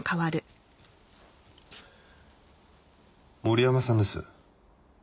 森山さんです。